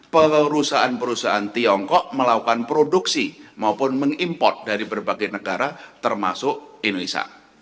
perusahaan perusahaan tiongkok melakukan produksi maupun mengimport dari berbagai negara termasuk indonesia